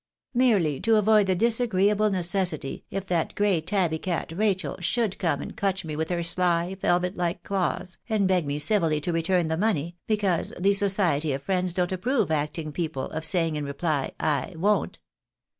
"" Merely to avoid the disagreeable necessity, if that gray tabby cat, Rachel, should come and clutch me with her sly, velvet like claws, and beg me civilly to return the money, because the vSociety of Friends don't approve acting people, of saying in reply I won't."